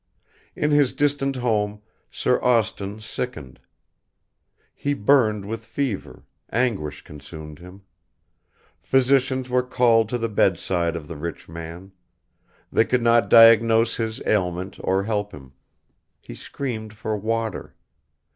In his distant home, Sir Austin sickened. He burned with fever, anguish consumed him. Physicians were called to the bedside of the rich man. They could not diagnose his ailment or help him. He screamed for water.